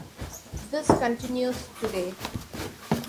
This continues today.